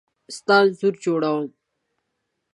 ستا انځور جوړوم .